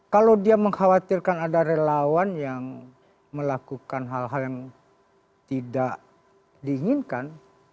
kalau dia mengkhawatirkan ada relawan yang melakukan hal hal yang tidak diinginkan